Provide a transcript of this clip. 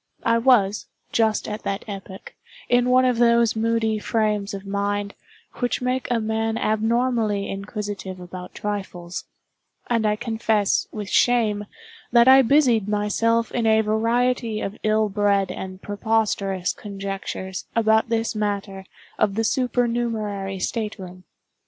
I was, just at that epoch, in one of those moody frames of mind which make a man abnormally inquisitive about trifles: and I confess, with shame, that I busied myself in a variety of ill bred and preposterous conjectures about this matter of the supernumerary state room.